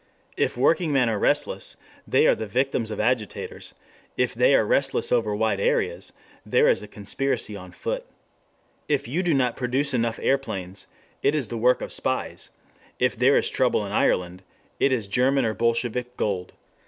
If workingmen are restless, they are the victims of agitators; if they are restless over wide areas, there is a conspiracy on foot. If you do not produce enough aeroplanes, it is the work of spies; if there is trouble in Ireland, it is German or Bolshevik "gold."